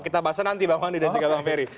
kita bahas nanti bang wandi dan cikgu pemperi